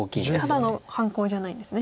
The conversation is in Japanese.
ただの半コウじゃないんですね。